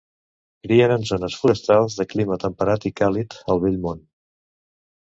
Crien en zones forestals de clima temperat i càlid, al Vell Món.